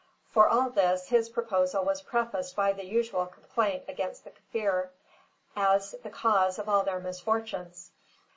For all this, his proposal was prefaced by the usual complaint against the Kaffir, as the cause of all their misfortunes.